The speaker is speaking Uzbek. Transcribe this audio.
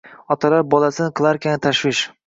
Otalar bolasin kilarkan tashvish